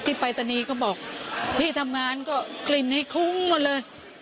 ปัตตานีก็บอกที่ทำงานก็กลิ่นให้คลุ้งหมดเลย